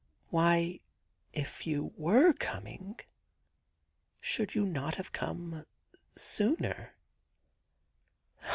Why, if you were coming, should you not have come sooner